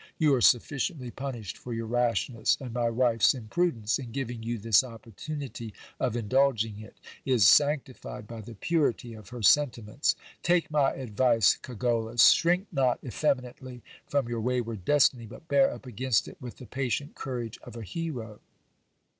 You are sufficiently punished for your rashness ; and my wife's imprudence, in giving you this opportunity of indulging it, is sanctified by the purity of her sentiments. Take my advice, Cogollos : shrink not effeminately from your wayward destiny, but bear up against it with the patient courage of a hero.